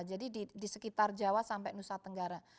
jadi di sekitar jawa sampai nusa tenggara